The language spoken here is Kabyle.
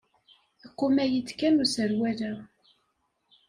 Iquma-yi-d kan userwal-a.